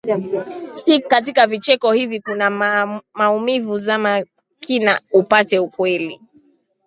sic katika vicheko hivi kuna maumivu zama kina upate ukweli